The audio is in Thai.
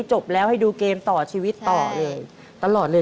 จบแล้วให้ดูเกมต่อชีวิตต่อเลย